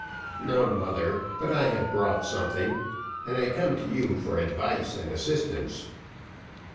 "No, mother; but I have brought something and I come to you for advice and assistance."